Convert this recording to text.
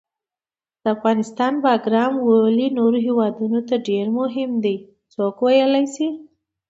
د افغانستان باګرام ولې نورو هیوادونو ته ډېر مهم ده، څوک ویلای شي؟